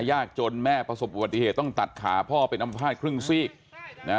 ยากจนแม่ประสบอุบัติเหตุต้องตัดขาพ่อเป็นอำภาษณครึ่งซีกนะ